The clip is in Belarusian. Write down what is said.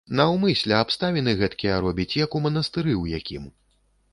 Наўмысля абставіны гэткія робіць, як у манастыры ў якім.